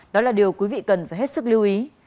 đó là điều quý vị cần phải hết sức lưu ý